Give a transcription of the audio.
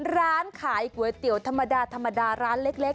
ร้านขายก๋วยเตี๋ยวธรรมดาธรรมดาร้านเล็ก